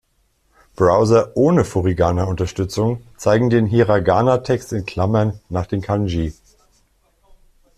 Browser ohne Furigana-Unterstützung zeigen den Hiragana-Text in Klammern nach den Kanji.